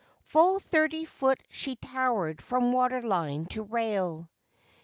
Full thirty foot she towered from waterline to rail.